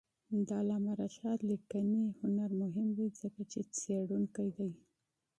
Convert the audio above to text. د علامه رشاد لیکنی هنر مهم دی ځکه چې څېړونکی دی.